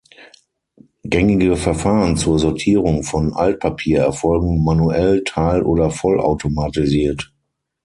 Gängige Verfahren zur Sortierung von Altpapier erfolgen manuell, teil- oder vollautomatisiert.